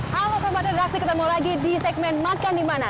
halo teman teman kita ketemu lagi di segmen makan dimana